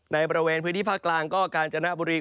ในบริเวณพื้นที่ภาคกลางก็กาญจนบุรี